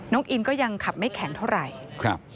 น้องอินก็ยังขับไม่แข็งเท่าไหร่